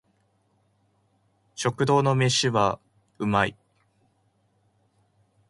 食堂の飯は美味い